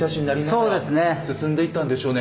そうですね。